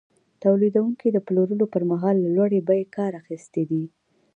تولیدونکي د پلورلو پر مهال له لوړې بیې کار اخیستی دی